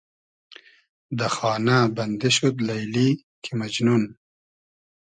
دۂ خانۂ بئندی شود لݷلی کی مئجنون